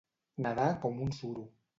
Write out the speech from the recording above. Nedar com un suro.